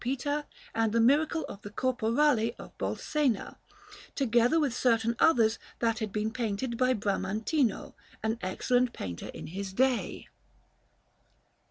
Peter and the Miracle of the Corporale of Bolsena together with certain others that had been painted by Bramantino, an excellent painter in his day.